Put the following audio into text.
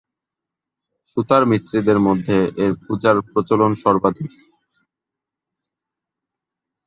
সূতার-মিস্ত্রিদের মধ্যে এঁর পূজার প্রচলন সর্বাধিক।